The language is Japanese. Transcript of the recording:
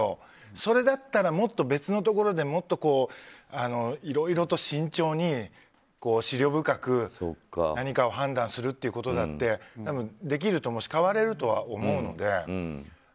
それだったら別のところでもっといろいろと慎重に思慮深く何かを判断するということだってできると思うし変われるとは思うので。